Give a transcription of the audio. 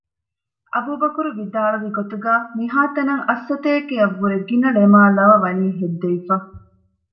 އަބޫބަކުރު ވިދާޅުވި ގޮތުގައި މިހާތަނަށް އަށްސަތޭކަ އަށް ވުރެ ގިނަ ޅެމާއި ލަވަ ވަނީ ހެއްދެވިފަ